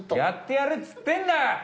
やってやるっつってんだよ！